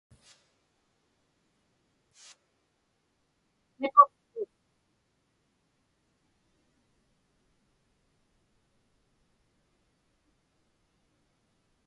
Miquqtuk.